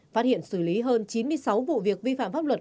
phát hiện xử lý hơn chín mươi sáu vụ việc vi phạm pháp luật